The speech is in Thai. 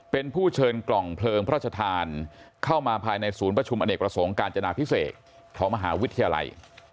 เป็นผู้เชิญกล่องเพลิงพระราชทานเข้ามาภายในศูนย์ประชุมอเนกประสงค์การจนาพิเศษของมหาวิทยาลัย